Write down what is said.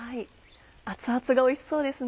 熱々がおいしそうですね。